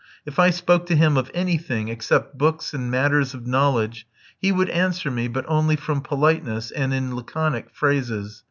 If I spoke to him of anything, except books and matters of knowledge, he would answer me, but only from politeness, and in laconic phrases.